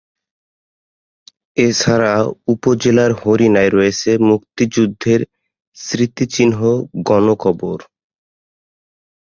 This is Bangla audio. এছাড়া উপজেলার হরিণায় রয়েছে মুক্তিযুদ্ধের স্মৃতিচিহ্ন গণকবর।